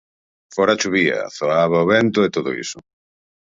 Fóra chovía, zoaba o vento e todo iso.